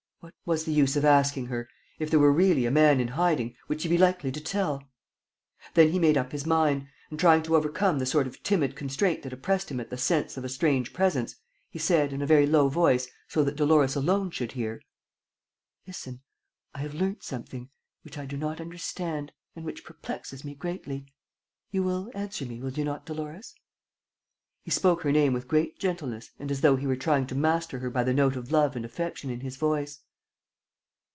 What was the use of asking her? If there were really a man in hiding, would she be likely to tell? Then he made up his mind and, trying to overcome the sort of timid constraint that oppressed him at the sense of a strange presence, he said, in a very low voice, so that Dolores alone should hear: "Listen, I have learnt something ... which I do not understand ... and which perplexes me greatly. You will answer me, will you not, Dolores?" He spoke her name with great gentleness and as though he were trying to master her by the note of love and affection in his voice.